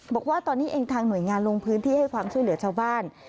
บอกว่าตอนนี้เองทางหน่วยงานลงพื้นที่ให้ความช่วยเหลือชาวบ้าน